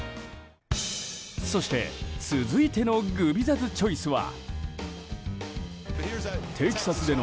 そして続いてのグビザズチョイスは。